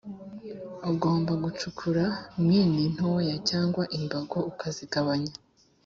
Ugomba gucukura mine ntoya cyangwa imbago ukazigabanya